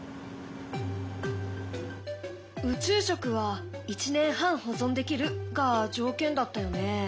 宇宙食は１年半保存できるが条件だったよね。